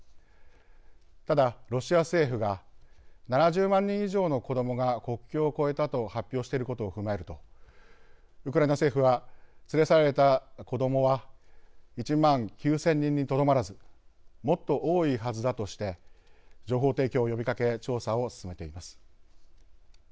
ただロシア政府が７０万人以上の子どもが国境を越えたと発表していることを踏まえるとウクライナ政府は連れ去られた子どもは１万９，０００人にとどまらずもっと多いはずだとして情報提供を呼びかけ調査を進めています。